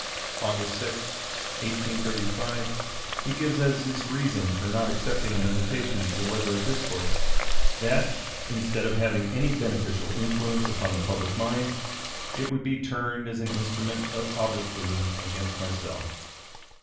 August 6, 1835, he gives as his reason for not accepting an invitation to deliver a discourse, that "instead of having any beneficial influence upon the public mind, it would be turned as an instrument of obloquy against myself."